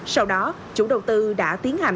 sau đó chủ đầu tư đã tiến hành sử dụng